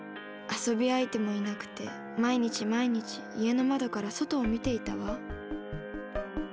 遊び相手もいなくて毎日毎日家の窓から外を見ていたわ。